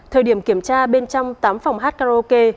thời điểm kiểm tra bên trong tám phòng hát karaoke